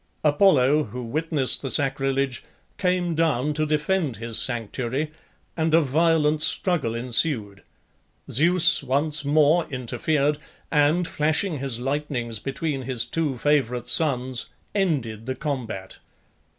Apollo, who witnessed the sacrilege, came down to defend his sanctuary, and a violent struggle ensued. Zeus once more interfered, and, flashing his lightnings between his two favourite sons, ended the combat.